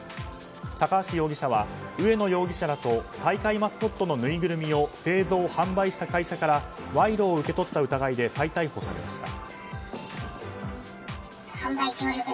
高橋容疑者は植野容疑者らと大会マスコットのぬいぐるみを製造・販売した会社から賄賂を受け取った疑いで再逮捕されました。